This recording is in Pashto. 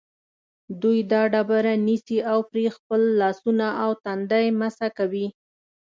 دوی دا ډبره نیسي او پرې خپل لاسونه او تندی مسح کوي.